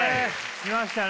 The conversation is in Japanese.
来ましたね。